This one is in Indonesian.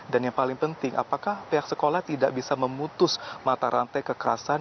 dan yang paling penting apakah pihak sekolah tidak bisa memutus mata rantai kekerasan